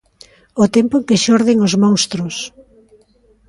O tempo en que xorden os monstros.